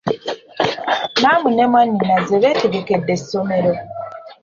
Namu ne mwanyinnaze beetegekedde essomero.